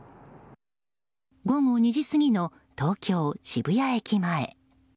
午後２時過ぎの東京・渋谷駅前。